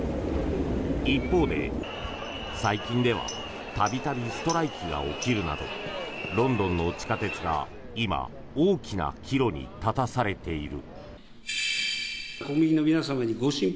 一方で最近では度々、ストライキが起きるなどロンドンの地下鉄が、今大きな岐路に立たされている。